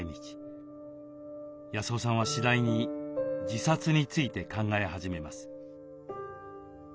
康雄さんは次第に自殺について考え始めます。